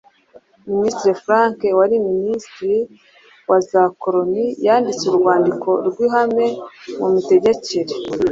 Minisitiri Frank wari minisitiri wazakoloni yanditse urwandiko rw'ihame mu mitegekere